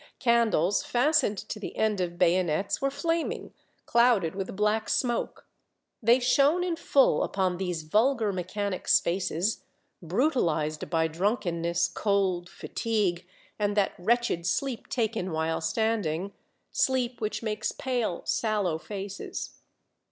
Candles fastened to the end of bayonets were flaming, clouded with black smoke. They shone in full upon these vulgar mechanics* faces, brutalized by drunkenness, cold, fatigue, and that wretched sleep taken while standing, — sleep which makes pale, sallow faces.